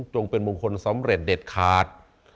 เป็นมงคลสำเร็จเด็ดขาด